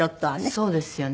そうですよね。